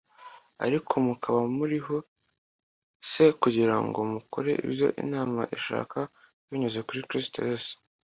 Ariko mukaba muriho c kugira ngo mukore ibyo imana ishaka binyuze kuri kristo yesu